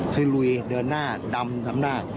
ลุยเดินหน้าดำทำหน้า